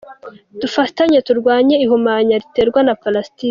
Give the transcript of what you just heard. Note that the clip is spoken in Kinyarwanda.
Dufatanye turwanye ihumanya riterwa na palasitiki.